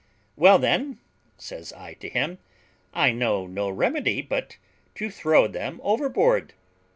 "Well, then," says I to him, "I know no remedy but to throw them overboard.